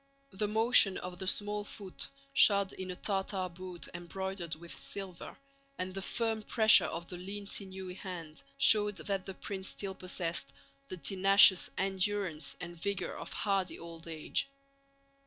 The motion of the small foot shod in a Tartar boot embroidered with silver, and the firm pressure of the lean sinewy hand, showed that the prince still possessed the tenacious endurance and vigor of hardy old age.